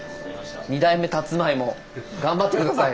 二代目たつまいも頑張って下さい。